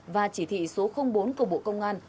và chỉ thị số bốn của bộ công an